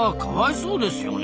そうですよね。